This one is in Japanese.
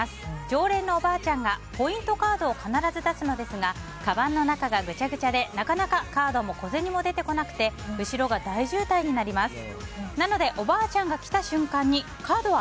常連のおばあちゃんがポイントカードを必ず出すのですがかばんの中がぐちゃぐちゃでなかなかカードも小銭も出てこなくて後ろが大渋滞になります。